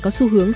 có xu hướng